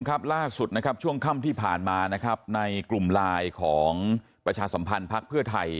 ครับล่าสุดนะครับช่วงค่ำที่ผ่านมานะครับในกลุ่มไลน์ของประชาสัมพันธ์พักเพื่อไทย